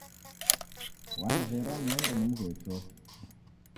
Wanizera niende nimghuye chofi.